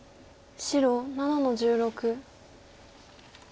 白７の十六。